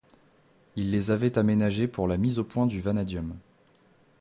Il les avait aménagés pour la mise au point du vanadium.